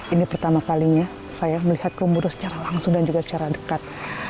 ini pertama kalinya saya melihat komodo secara langsung dan juga secara dekat